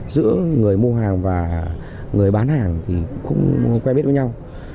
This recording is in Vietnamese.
giữa người mua hàng và người bán hàng thì không quen biết với nhau